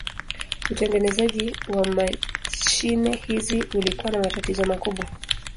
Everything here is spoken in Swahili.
Utengenezaji wa mashine hizi ulikuwa na matatizo makubwa.